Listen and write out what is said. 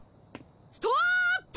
ストップ！